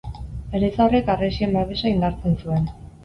Eliza horrek harresien babesa indartzen zuen.